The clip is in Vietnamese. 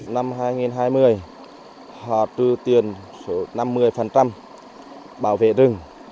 năm hai nghìn hai mươi họ trừ tiền số năm mươi bảo vệ rừng